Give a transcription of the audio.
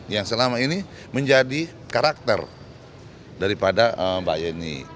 yang selama ini menjadi karakter daripada mbak yeni